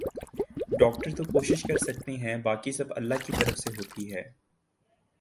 doctor تو کوشش کر سکتے ہیں باقی سب اللہ کی طرف سے ھوتی ہے